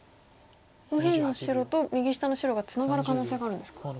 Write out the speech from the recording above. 右辺の白と右下の白がツナがる可能性があるんですか。